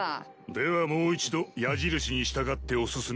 ではもう一度矢印に従ってお進みください。